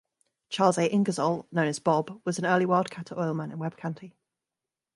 Charles A. Ingersoll, known as Bob, was an early wildcatter oilman in Webb County.